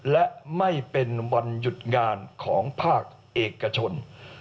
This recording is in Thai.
และไม่เป็นวันหยุดงานของภาคเอกชน